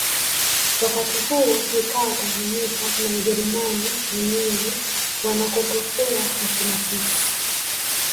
Wakati huo ikiwa Tanganyika na Ujerumani yenyewe wanakotokea akina Hiss